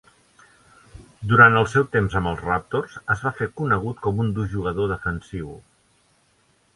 Durant el seu temps amb els Raptors es va fer conegut com un dur jugador defensiu.